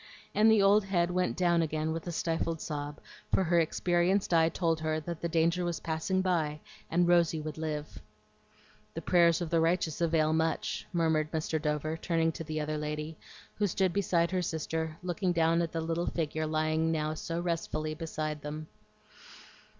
And the old head went down again with a stifled sob, for her experienced eye told her that the danger was passing by and Rosy would live. "The prayers of the righteous avail much," murmured Mr. Dover, turning to the other lady, who stood beside her sister looking down at the little figure now lying so restfully between them.